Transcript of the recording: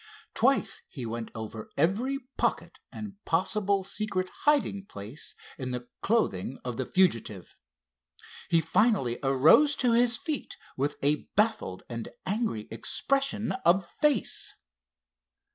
Twice he went over every pocket and possible secret hiding place in the clothing of the fugitive. He finally arose to his feet with a baffled and angry expression of face.